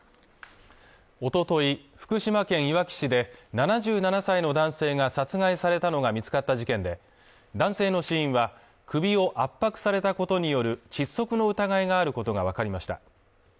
おととい福島県いわき市で７７歳の男性が殺害されたのが見つかった事件で男性の死因は首を圧迫されたことによる窒息の疑いがあることが分かりました